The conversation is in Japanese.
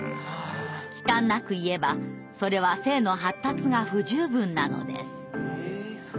忌憚なく言えばそれは性の発達が不十分なのです」。